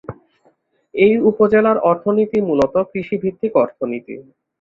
এই উপজেলার অর্থনীতি মূলত কৃষিভিত্তিক অর্থনীতি।